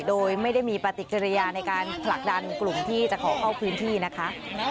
โดยไม่ได้มีปฏิกิริยาในการผลักดันกลุ่มที่จะขอเข้าพื้นที่นะคะ